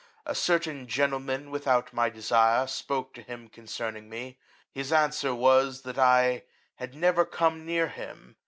A certain gentleman, without ^^ my desire, spoke to him concerning me: his answer was, that I had never come " near him.